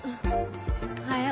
おはよう。